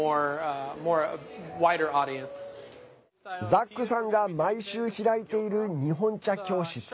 ザックさんが毎週、開いている日本茶教室。